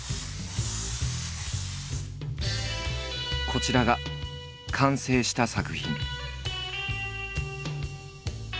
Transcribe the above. こちらが完成した作品。